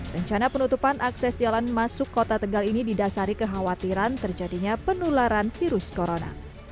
rencana penutupan akses jalan masuk kota tegal ini didasari kekhawatiran terjadinya penularan virus corona